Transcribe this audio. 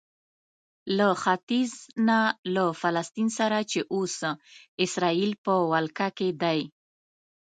له ختیځ نه له فلسطین سره چې اوس اسراییل په ولکه کې دی.